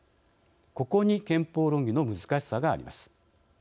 ここに憲法論議の難しさがあります。